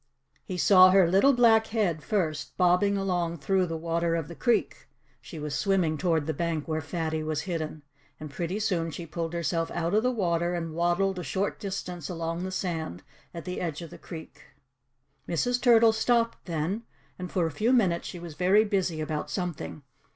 He saw her little black head first, bobbing along through the water of the creek. She was swimming toward the bank where Fatty was hidden. And pretty soon she pulled herself out of the water and waddled a short distance along the sand at the edge of the creek. Mrs. Turtle stopped then; and for a few minutes she was very busy about something.